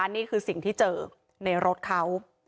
นี่คือสิ่งที่เจอในรถเขา